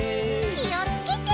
きをつけて。